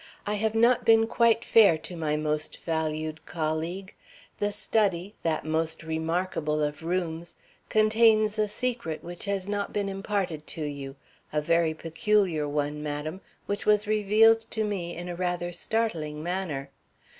I have not been quite fair to my most valued colleague. The study that most remarkable of rooms contains a secret which has not been imparted to you; a very peculiar one, madam, which was revealed to me in a rather startling manner.